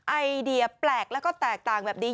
ไอเดียแปลกแล้วก็แตกต่างแบบนี้